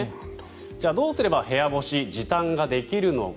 じゃあ、どうすれば部屋干し、時短ができるのか。